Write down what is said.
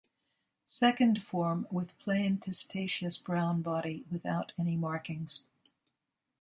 Second form with plain testaceous brown body without any markings.